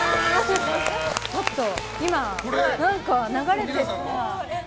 ちょっと今、何か流れてる。